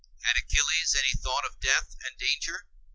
Had Achilles any thought of death and danger?